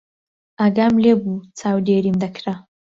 ئاگام لێ بوو چاودێریم دەکرا.